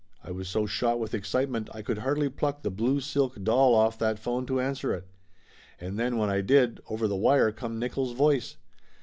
I was so shot with excitement I could hardly pluck the blue silk doll off that phone to answer it. And then when I did, over the wire come Nickolls' voice.